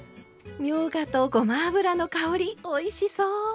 みょうがとごま油の香りおいしそう！